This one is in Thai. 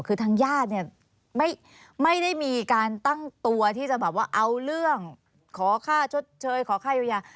คือทั้งญาติไม่ได้มีการตั้งตัวที่จะเอาเรื่องขอค่าชดเชยขอค่าโยยา